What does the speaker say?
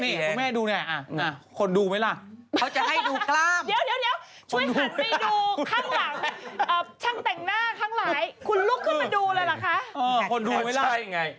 นี่คุณแม่ดูเนี่ยคนดูไหมล่ะ